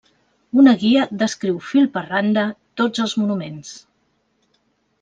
Una guia descriu fil per randa tots els monuments.